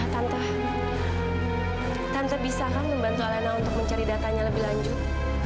tante tante bisakah membantu alena untuk mencari datanya lebih lanjut